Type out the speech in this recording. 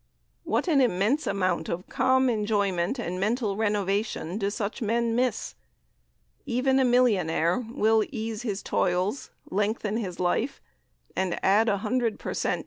What an immense amount of calm enjoyment and mental renovation do such men miss. Even a millionaire will ease his toils, lengthen his life, and add a hundred per cent.